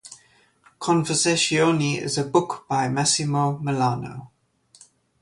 Conversazioni is a book by Massimo Milano.